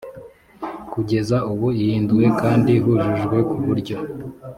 kugeza ubu ihinduwe kandi yujujwe ku buryo